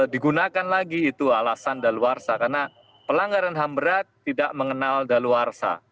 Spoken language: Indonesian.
digunakan lagi itu alasan daluarsa karena pelanggaran ham berat tidak mengenal daluarsa